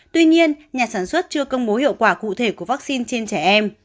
tuy nhiên nhà sản xuất chưa công bố hiệu quả cụ thể của vaccine trên trẻ em